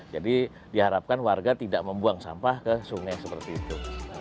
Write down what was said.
jadi diharapkan warga tidak membuang sampah ke sungai seperti itu